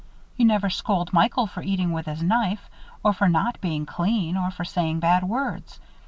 You never scold Michael for eating with his knife or for not being clean or for saying bad words.